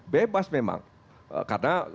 bebas memang karena